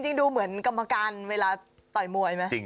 ดูเหมือนกรรมการเวลาต่อยมวยไหม